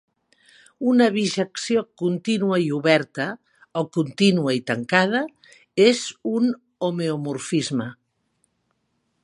Una bijecció contínua i oberta, o contínua i tancada, és un homeomorfisme.